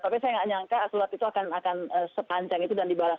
tapi saya nggak nyangka surat itu akan sepanjang itu dan dibalas